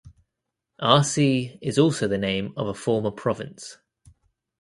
Arsi is also the name of a former province.